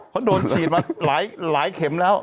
เขาโดนฉีดมาหลายเข็มแล้ว